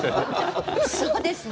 そうですね。